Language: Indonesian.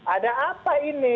ada apa ini